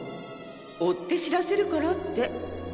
追って知らせるからって。